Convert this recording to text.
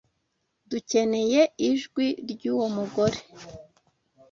Dukeneye ijwi Ryuwo mugore.